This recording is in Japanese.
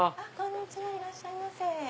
いらっしゃいませ。